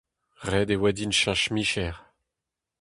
Ret e oa din cheñch micher.